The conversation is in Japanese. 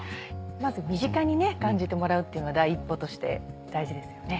まず身近に感じてもらうっていうのが第一歩として大事ですよね。